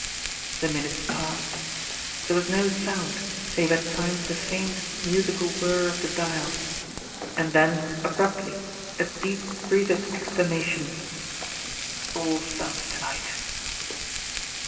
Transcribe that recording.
The minutes passed. There was no sound, save at times the faint, musical whir of the dial; then, abruptly, a deep breathed exclamation : "All thumbs to night